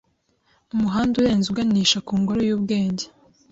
Umuhanda urenze uganisha ku ngoro yubwenge